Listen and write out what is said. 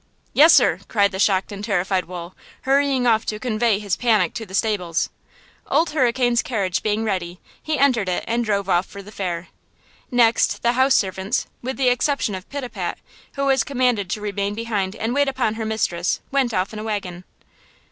"Yes, sir," cried the shocked and terrified Wool, hurrying off to convey his panic to the stables. Old Hurricane's carriage being ready, he entered it and drove off for the fair. Next the house servants, with the exception of Pitapat, who was commanded to remain behind and wait upon her mistress, went off in a wagon.